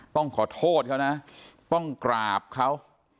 ต้องขอโทษเขานะต้องกราบเขา